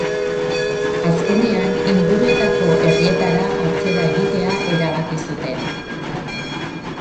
Azkenean inguruetako herrietara atzera egitea erabaki zuten.